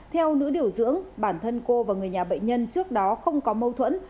theo nữ điều dưỡng bản thân cô và người nhà bệnh nhân trước đó không có mâu thuẫn